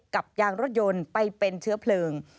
ยางรถยนต์ไปเป็นเชื้อเพลิง